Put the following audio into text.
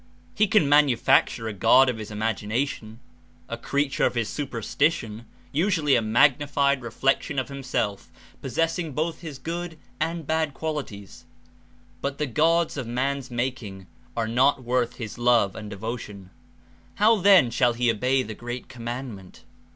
He can manufacture a god of his imagination, a creature of his Man made superstition, usually a magnified reflec tion of himself possessing both his good and bad qualities, but the gods of man's making are not worth his love and devotion; how then shall he obey the great commandment?